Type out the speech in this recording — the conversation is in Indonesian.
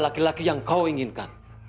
laki laki yang kau inginkan